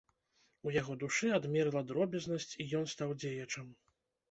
У яго душы адмерла дробязнасць, і ён стаў дзеячам.